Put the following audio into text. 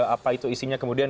apa itu isinya kemudian